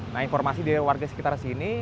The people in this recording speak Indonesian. nah informasi dari warga sekitar sini